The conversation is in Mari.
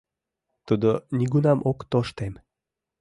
— Тудо нигунам ок тоштем.